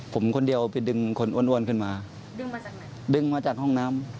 ผมคนเดียวไปดึงคนอ้วนขึ้นมาดึงมาจากห้องน้ำ